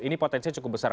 ini potensi cukup besar